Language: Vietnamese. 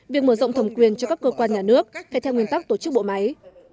việc mở rộng thầm quyền cho các cơ quan nhà nước phải theo nguyên tắc tổ chức bộ máy